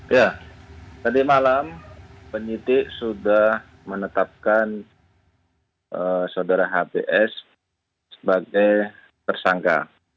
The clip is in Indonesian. ya tadi malam penyidik sudah menetapkan saudara hbs sebagai tersangka